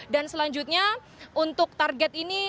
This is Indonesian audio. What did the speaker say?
dan selanjutnya untuk target ini